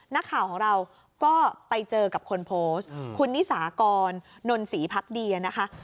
นักข่าวของเราก็ไปเจอกับคนโพสต์คุณนิสากรนนศรีพักเดียนะคะ